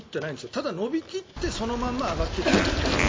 ただ伸び切ってそのまま上がってきているわけです。